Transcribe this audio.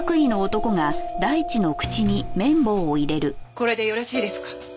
これでよろしいですか？